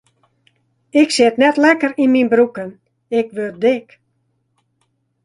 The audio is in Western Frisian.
Ik sit net mear lekker yn myn broeken, ik wurd dik.